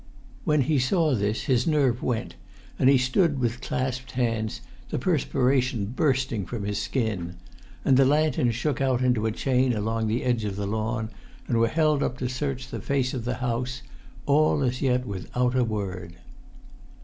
When he saw this his nerve went, and he stood with clasped hands, the perspiration bursting from his skin. And the lanterns shook out into a chain along the edge of the lawn, and were held up to search the face of the house, all as yet without a word.